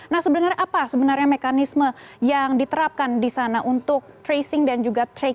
nah sebenarnya apa sebenarnya mekanisme yang diterapkan di sana untuk tracing dan juga tracking